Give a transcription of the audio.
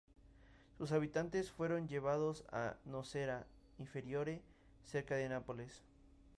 Sus habitantes fueron llevados a Nocera Inferiore, cerca de Nápoles.